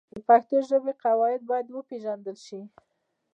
د پښتو ژبې قواعد باید وپېژندل سي.